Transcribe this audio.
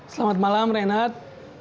selamat malam renat